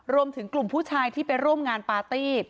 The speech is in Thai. รวมถึงกลุ่มผู้ชายที่ไปร่วมงานปาร์ตี้